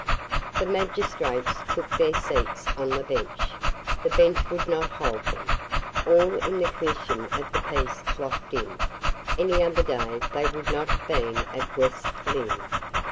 The magistrates took their seats on the bench. The bench would not hold them. All in the commission of the peace flocked in. Any other day they would not have been at West Lynne.